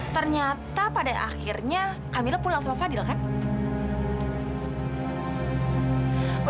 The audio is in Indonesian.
kita sudah punya jalan masing masing